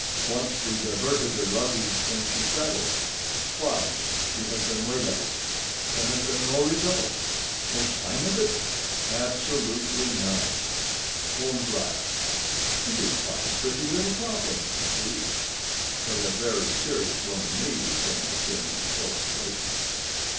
Once we diverted her luggage when she traveled. Twice she has been waylaid. There has been no result." "No sign of it?" "Absolutely none." Holmes laughed. "It is quite a pretty little problem," said he. "But a very serious one to me," returned the king, reproachfully.